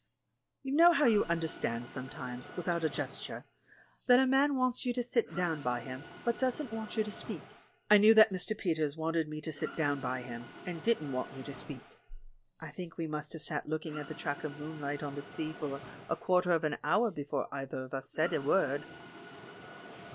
You know how you understand sometimes, without a gesture, that a man wants you to sit down by him, but doesn't want you to speak ; I knew that Mr. Peters wanted me to sit down by him, and didn't want me to speak. I think we must have sat looking at the track of moonlight on the sea for a quarter of an hour before either of us said a word.